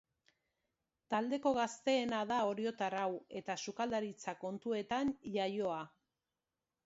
Taldeko gazteena da oriotar hau eta sukaldaritza kontuetan iaioa.